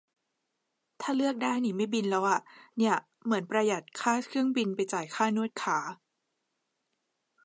ถ้าเลือกได้นี่ไม่บินแล้วอะ เนี่ย เหมือนประหยัดค่าเครื่องบินไปจ่ายค่านวดขา